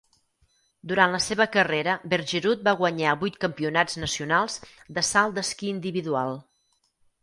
Durant la seva carrera, Bergerud va guanyar vuit campionats nacionals de salt d'esquí individual.